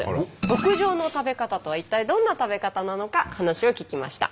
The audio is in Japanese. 極上の食べ方とは一体どんな食べ方なのか話を聞きました。